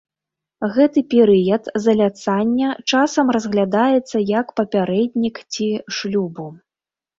Гэты перыяд заляцання часам разглядаецца як папярэднік ці шлюбу.